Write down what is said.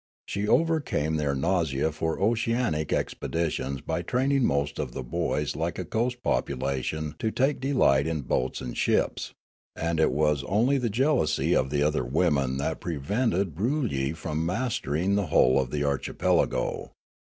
She overcame their nausea for oceanic expeditions by training most of the boys like a coast population to take delight in boats and ships, and it was only the jealousy of the other women that prevented Broolyi from mastering the whole of the archipelago.